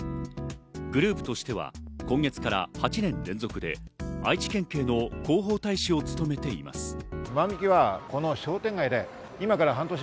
グループとしては今月から８年連続で愛知県警の広報大使を務めています。